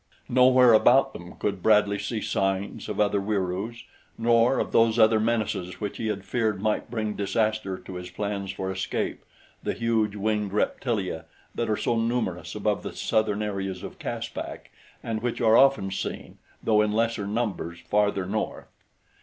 Nowhere about them could Bradley see signs of other Wieroos, nor of those other menaces which he had feared might bring disaster to his plans for escape the huge, winged reptilia that are so numerous above the southern areas of Caspak and which are often seen, though in lesser numbers, farther north.